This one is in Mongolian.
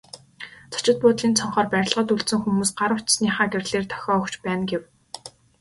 Зочид буудлын цонхоор барилгад үлдсэн хүмүүс гар утасныхаа гэрлээр дохио өгч байна гэв.